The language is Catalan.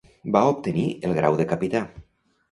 Va obtenir el grau de capità.